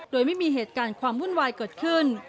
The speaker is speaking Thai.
โดยไม่มีเหตุการณ์ความวุ่นวายเกิดขึ้น